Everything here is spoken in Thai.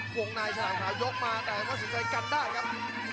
กวงในใช่ไหมครับยกมาแต่ว่าสินใจกันได้ครับ